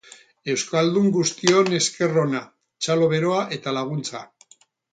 Euskaldun guztion esker ona, txalo beroa eta laguntza.